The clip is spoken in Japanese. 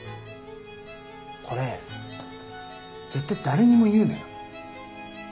これ絶対誰にも言うなよ？